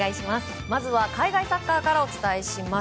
まずは海外サッカーからお伝えします。